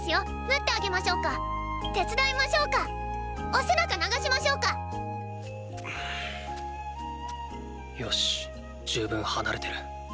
縫ってあげましょうか⁉手伝いましょうか⁉お背中流しましょうか⁉よし十分離れてる。